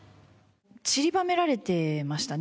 散りばめられてましたね。